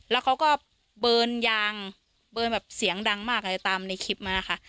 และเขาก็เบอร์นยางแบบเสียงดังมากตามในคลิปมา